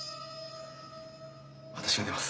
私が出ます。